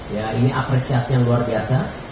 ya ini apresiasi yang luar biasa